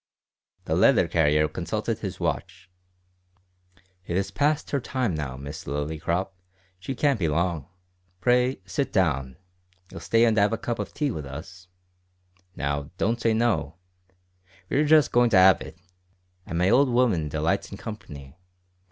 The letter carrier consulted his watch. "It is past her time now, Miss Lillycrop; she can't be long. Pray, sit down. You'll stay and 'ave a cup of tea with us? Now, don't say no. We're just goin' to 'ave it, and my old 'ooman delights in company.